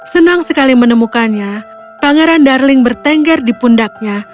senang sekali menemukannya pangeran darling bertengger di pundaknya